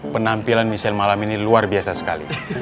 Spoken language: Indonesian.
penampilan michelle malam ini luar biasa sekali